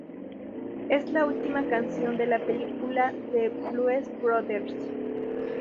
Es la última canción de la película "The Blues Brothers".